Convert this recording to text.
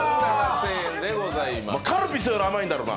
カルピスより甘いんだろうな。